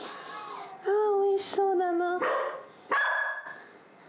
あぁおいしそうだな。